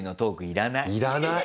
要らない。